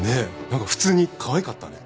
何か普通にかわいかったね。